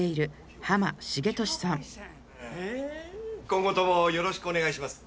今後ともよろしくお願いします。